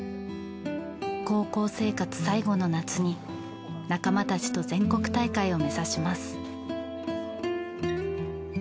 高校生活最後の夏に仲間たちと全国大会を目指します。